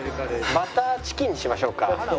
バターチキンにしましょうか。